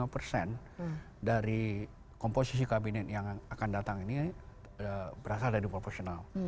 dua puluh lima persen dari komposisi kabinet yang akan datang ini berasal dari profesional